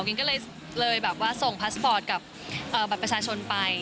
วินก็เลยแบบว่าส่งพาสปอร์ตกับบัตรประชาชนไป